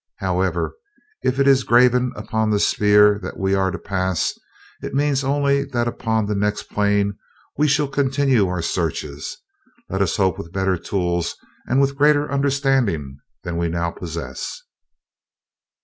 However, if it is graven upon the Sphere that we are to pass, it means only that upon the next plane we shall continue our searches let us hope with better tools and with greater understanding than we now possess."